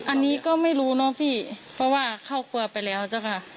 อันนี้ก็ไม่รู้เนอะพี่เพราะว่าเข้าครัวไปแล้วจ้ะค่ะ